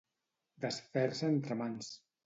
Desfer-se entre mans.